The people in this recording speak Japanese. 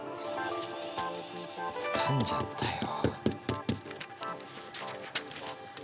つかんじゃったよ。